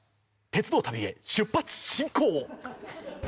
鉄道旅へ出発進行！